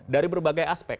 dari berbagai aspek